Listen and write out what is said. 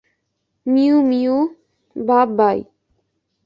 Mu, মিউ, বা-বাই।